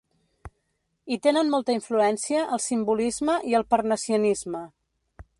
Hi tenen molta influència el simbolisme i el parnassianisme.